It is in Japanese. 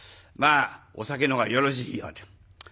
まあお酒の方がよろしいようで。